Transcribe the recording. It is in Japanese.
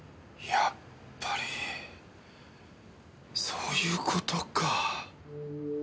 やっぱりそういう事か。